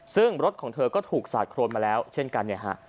ซึ่งรถของเธอก็ถูกสาดโครนมาแล้วเช่นกันเนี่ยฮะ